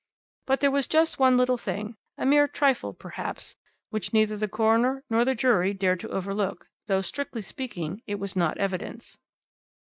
But there was just one little thing a mere trifle, perhaps which neither the coroner nor the jury dared to overlook, though, strictly speaking, it was not evidence.